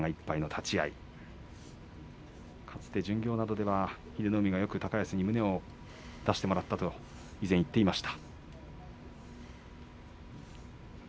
かつて巡業などでは英乃海がよく高安に胸を出してもらったと以前言っていました。